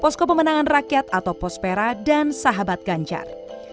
posko pemenangan rakyat atau pospera dan sahabat ganjar